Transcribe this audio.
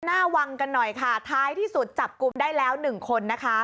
หน้าวังกันหน่อยค่ะท้ายที่สุดจับกลุ่มได้แล้วหนึ่งคนนะคะ